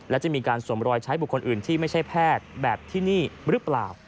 และจะมีการสวมรอยใช้บุคคลอื่นที่ไม่ใช่แพทย์แบบที่นี่หรือเปล่า